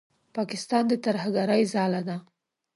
پاکستان د ترهګرۍ ځاله ده.